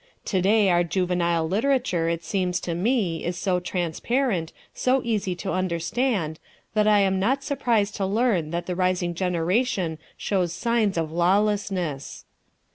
To day our juvenile literature, it seems to me, is so transparent, so easy to understand, that I am not surprised to learn that the rising generation shows signs of lawlessness.